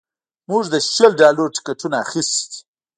موږ د شل ډالرو ټکټونه اخیستي دي